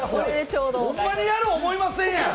ホンマにやる思いませんやん！